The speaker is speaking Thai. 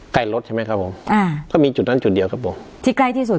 ใกล้รถใช่ไหมครับผมอ่าก็มีจุดนั้นจุดเดียวครับผมที่ใกล้ที่สุด